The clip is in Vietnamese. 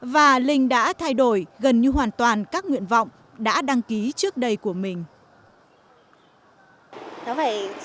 và linh đã thay đổi gần như hoàn toàn các nguyện vọng đã đăng ký trước đây của mình